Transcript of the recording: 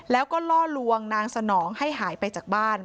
แล้วก็ล่อลวงนางสนองให้หายไปจากบ้าน